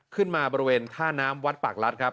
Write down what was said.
ขึ้นมาบริเวณท่าน้ำวัดปากรัฐครับ